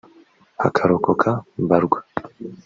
hakarokoka mbarwa